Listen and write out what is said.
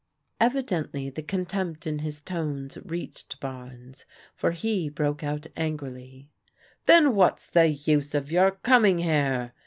Evidently the contempt in his tones reached Barnes, for he broke out angrily :" Then what's the use of your coming here